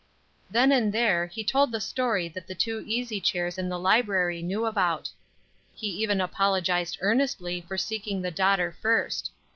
Then and there, he told the story that the two easy chairs in the library knew about. He even apologized earnestly for seeking the daughter first.